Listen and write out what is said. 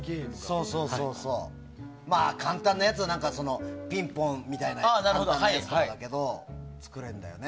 簡単なやつピンポンみたいなやつだけど作れるんだよね。